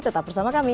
tetap bersama kami